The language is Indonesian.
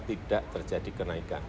tidak terjadi kenaikan